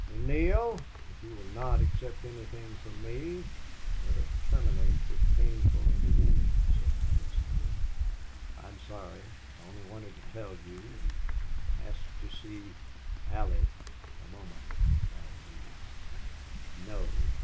"Then, Neale if you will not accept anything from me, let us terminate this painful interview," said Allison Lee. "I'm sorry. I only wanted to tell you and ask to see Allie a moment," replied Neale. "No.